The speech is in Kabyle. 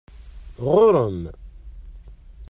Ɣuṛ-m!